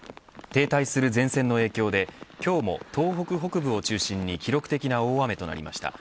停滞する前線の影響で今日も東北北部を中心に記録的な大雨となりました。